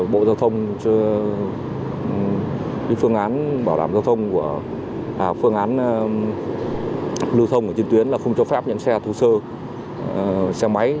bộ giao thông chưa phương án bảo đảm giao thông của phương án lưu thông trên tuyến là không cho phép những xe thô sơ xe máy